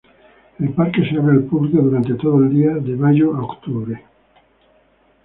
El parque se abre al público durante todo el día de mayo a octubre.